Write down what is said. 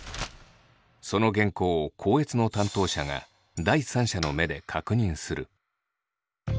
その原稿を校閲の担当者が第三者の目で確認する。